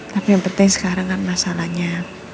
tapi yang penting sekarang kan masalahnya